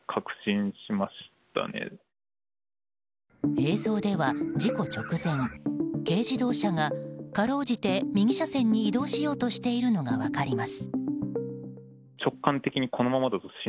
映像では事故直前、軽自動車がかろうじて右車線に移動しようとしているのが分かります。